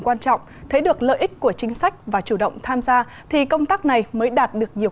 quan trọng thấy được lợi ích của chính sách và chủ động tham gia thì công tác này mới đạt được nhiều